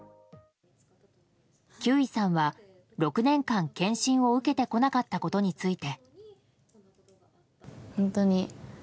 休井さんは６年間、検診を受けてこなかったことについて。